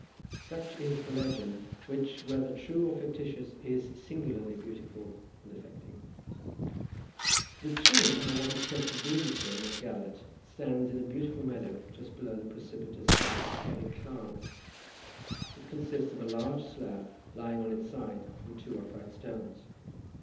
Such is the legend, which, whether true or fictitious, is singularly beautiful and affecting. The tomb, or what is said to be the tomb, of Gelert, stands in a beautiful meadow just below the precipitous side of Cerrig Llan; it consists of a large slab lying on its side, and two upright stones.